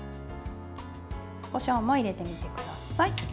こしょうも入れてください。